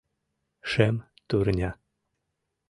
— Шем турня!